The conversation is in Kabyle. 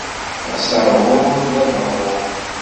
Asaɣur d abaɣur.